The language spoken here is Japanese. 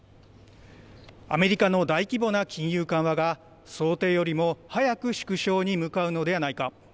アメリカの大規模な金融緩和が想定よりも早く縮小に向かうのではないか。